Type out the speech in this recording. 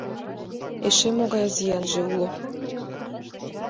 Эше могай зиянже уло?